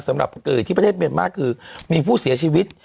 สำหรับเกิดที่ประเทศเมียนมาร์คือมีผู้เสียชีวิต